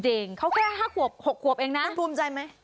เธอแค่๕ขวบ๖ขวบเองนะ